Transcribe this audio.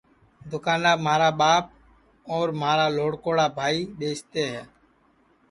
دؔوکاناپ مھارا ٻاپ اور مھارا لھوڑکوڑا بھائی ٻیستے ہے